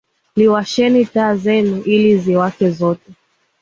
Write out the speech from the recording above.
Liwasheni taa zenu ili ziwake zote.